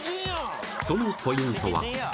そのポイントは？